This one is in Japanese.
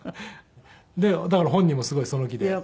でだから本人もすごいその気で。